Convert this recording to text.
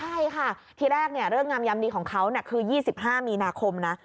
ใช่ค่ะทีแรกเรื่องงามยำดีของเขาคือ๒๕มีนาคมนะ